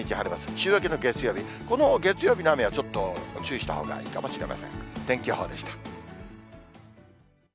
週明けの月曜日、この月曜日の雨はちょっと注意したほうがいいかもしれま